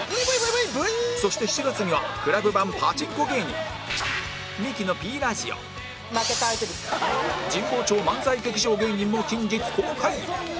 そして７月には ＣＬＵＢ 版パチンコ芸人ミキの Ｐ ラジオ神保町漫才劇場芸人も近日公開